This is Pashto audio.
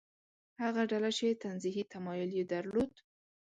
هغه ډله چې تنزیهي تمایل یې درلود.